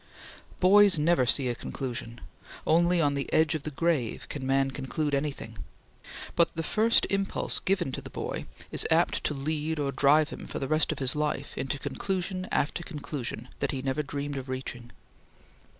Boys never see a conclusion; only on the edge of the grave can man conclude anything; but the first impulse given to the boy is apt to lead or drive him for the rest of his life into conclusion after conclusion that he never dreamed of reaching.